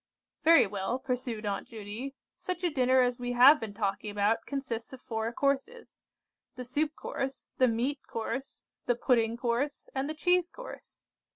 "Very well," pursued Aunt Judy, "such a dinner as we have been talking about consists of four courses. The soup course, the meat course, the pudding course, and the cheese course.